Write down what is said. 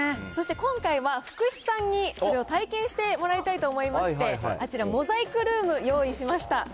そして今回は福士さんにそれを体験してもらいたいと思いまして、あちら、モザイクルーム、用意しました。